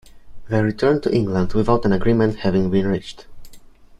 They returned to England without an agreement having been reached.